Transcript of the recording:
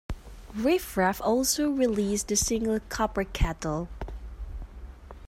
Riff Raff also released the single "Copper Kettle".